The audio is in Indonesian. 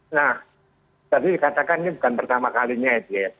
nah tadi dikatakan ini bukan pertama kalinya itu ya